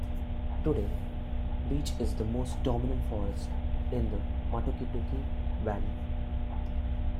Today, beech is the dominant forest in the Matukituki Valley.